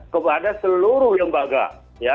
kepada seluruh lembaga